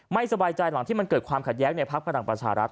ไม่สบายใจหลังที่มันเกิดความขัดแย้งในพักพลังประชารัฐ